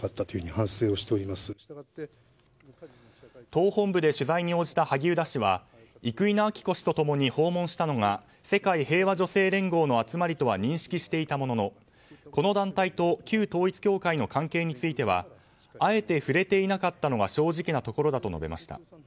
党本部で取材に応じた萩生田氏は生稲晃子氏とともに訪問したのが世界平和家庭連合の集まりとは認識していたものの、この団体と旧統一教会との関係についてはあえて触れていなかったのが正直なところだと述べました。